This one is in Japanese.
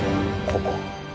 ここ。